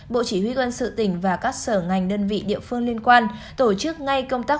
bộ chỉ huy quân sự tỉnh và các sở ngành đơn vị địa phương liên quan tổ chức ngay công tác